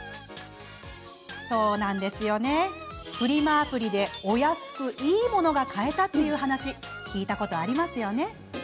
アプリで、お安くいいものが買えたっていう話聞いたことありますよね。